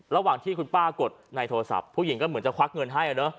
ระหว่างที่คุณป้ากดในโทรศัพท์ผู้หญิงก็เหมือนจะควักเงินให้